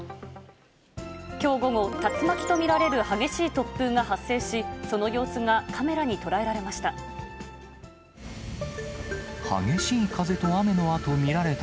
きょう午後、竜巻と見られる激しい突風が発生し、その様子がカメラに捉えられました。